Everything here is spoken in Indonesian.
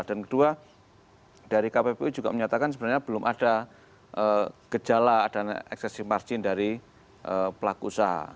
dan kedua dari kppu juga menyatakan sebenarnya belum ada gejala dan eksesif margin dari pelaku usaha